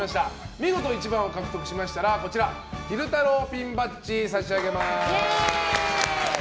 見事１番を獲得しましたら昼太郎ピンバッジを差し上げます。